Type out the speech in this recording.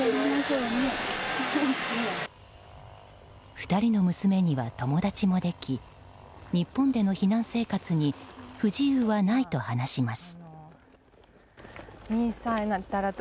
２人の娘には友達もでき日本での避難生活に不自由はないと話します。